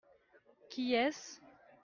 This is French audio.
Qui est-ce ?